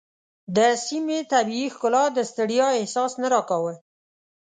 د سیمې طبیعي ښکلا د ستړیا احساس نه راکاوه.